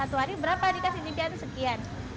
satu hari berapa dikasih impian sekian